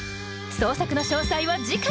創作の詳細は次回！